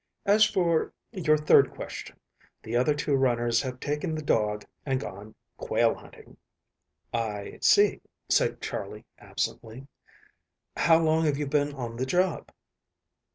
As for your third question, the other two runners have taken the dog and gone quail hunting." "I see," said Charley absently. "How long have you been on the job?"